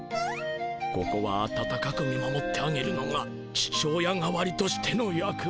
ここは温かく見守ってあげるのが父親代わりとしての役目。